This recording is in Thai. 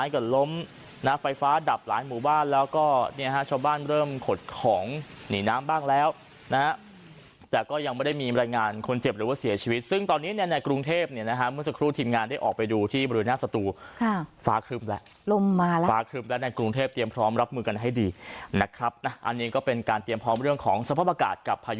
กับหลานหมู่บ้านแล้วก็เนี่ยฮะชาวบ้านเริ่มขดของหนีน้ำบ้างแล้วนะฮะแต่ก็ยังไม่ได้มีบรรยายงานคนเจ็บหรือว่าเสียชีวิตซึ่งตอนนี้เนี่ยในกรุงเทพเนี่ยนะฮะเมื่อสักครู่ทีมงานได้ออกไปดูที่บริเวณหน้าสตูค่ะฟ้าคลึมแล้วลมมาแล้วฟ้าคลึมแล้วในกรุงเทพเตรียมพร้อมรับมือกันให้ดีนะครั